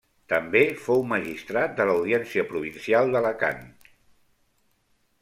També fou magistrat de l'Audiència Provincial d'Alacant.